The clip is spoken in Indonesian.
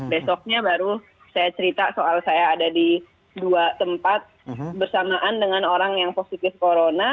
besoknya baru saya cerita soal saya ada di dua tempat bersamaan dengan orang yang positif corona